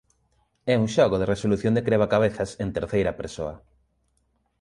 É un xogo de resolución de crebacabezas en terceira persoa.